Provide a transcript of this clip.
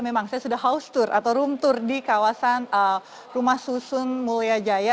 memang saya sudah house tour atau room tour di kawasan rumah susun mulia jaya